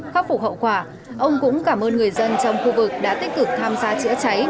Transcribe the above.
khắc phục hậu quả ông cũng cảm ơn người dân trong khu vực đã tích cực tham gia chữa cháy